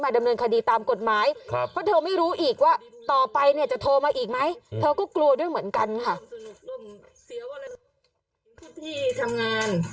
ดำเนินคดีตามกฎหมายเพราะเธอไม่รู้อีกว่าต่อไปเนี่ยจะโทรมาอีกไหมเธอก็กลัวด้วยเหมือนกันค่ะ